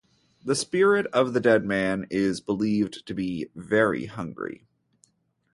The spirit of the dead man is believed to be very hungry.